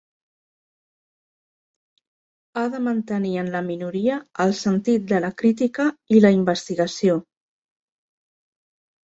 Ha de mantenir en la minoria el sentit de la crítica i la investigació.